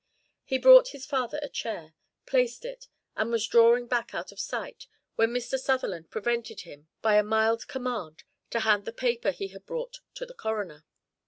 He brought his father a chair, placed it, and was drawing back out of sight when Mr. Sutherland prevented him by a mild command to hand the paper he had brought to the coroner.